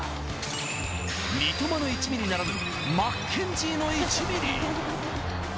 「三笘の１ミリ」ならぬ「マッケンジーの１ミリ」。